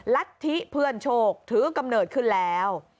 รัฐธิเพื่อนโชคถือกำเนิดขึ้นแล้ว